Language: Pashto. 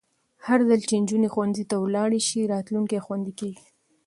هرځل چې نجونې ښوونځي ته ولاړې شي، راتلونکی خوندي کېږي.